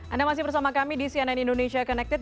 anda masih bersama kami di cnn indonesia connected